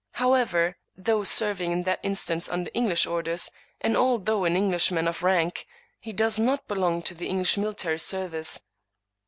However, though serving in that instance under English orders, and although an Englishman of rank, he does not belong to the English military service.